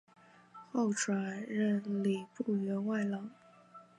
后转任礼部员外郎。